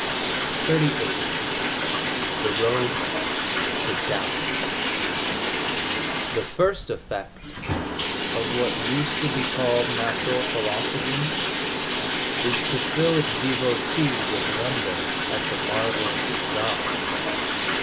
XXXVIII THE ROAD TO DOUBT The first effect of what used to be called natural philosophy is to fill its devotee with wonder at the marvels of God.